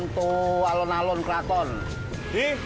えっ！